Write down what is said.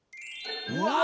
うわ！